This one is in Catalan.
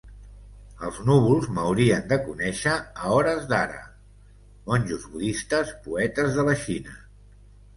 "Els núvols m'haurien de conèixer a hores d'ara: monjos budistes poetes de la Xina".